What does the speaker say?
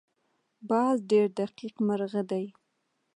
باز ډېر دقیق مرغه دی